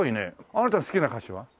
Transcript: あなたの好きな歌手は？